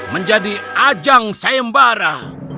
menjadi ajang sayembara